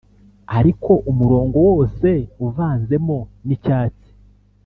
ariko umurongo wose uvanzemo nicyatsi,